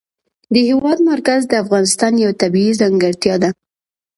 د هېواد مرکز د افغانستان یوه طبیعي ځانګړتیا ده.